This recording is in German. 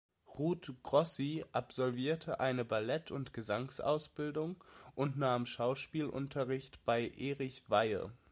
Ruth Grossi absolvierte eine Ballett- und Gesangsausbildung und nahm Schauspielunterricht bei Erich Weihe.